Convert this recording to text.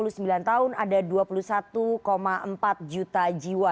sampai tiga puluh sembilan tahun ada dua puluh satu empat juta jiwa